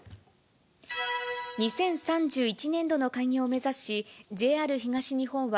２０３１年度の開業を目指し、ＪＲ東日本は、